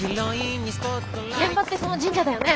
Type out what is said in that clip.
現場ってその神社だよね？